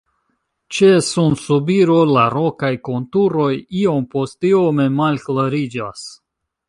Ĉe sunsubiro la rokaj konturoj iompostiome malklariĝas.